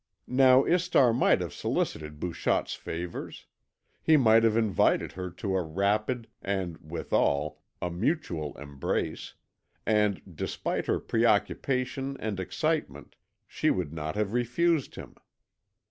Now Istar might have solicited Bouchotte's favours; he might have invited her to a rapid, and, withal, a mutual embrace, and, despite her preoccupation and excitement, she would not have refused him.